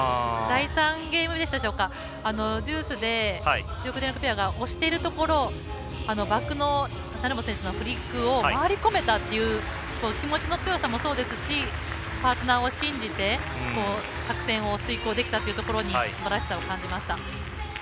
第３ゲームでしたでしょうかデュースで、中国電力ペアが押しているところをバックの成本選手のフリックを回り込めたという気持ちの強さもそうですしパートナーを信じて作戦を遂行できたというところにすばらしさを感じました。